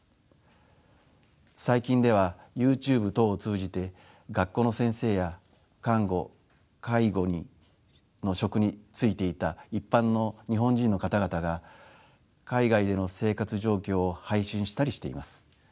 最近ではＹｏｕＴｕｂｅ等を通じて学校の先生や看護介護の職に就いていた一般の日本人の方々が海外での生活状況を配信したりしています。